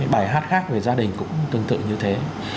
bài hát khác về gia đình cũng tương tự như thế